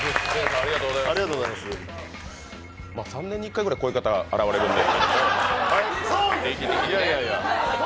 ３年に１回ぐらいこういう方が現れるんで。